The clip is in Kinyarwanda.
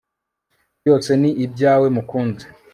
byose ni ibyawe mukunzi